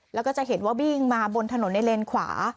แล้วก็จะเห็นว่าวิ่งมาบนถนนในเลนขวา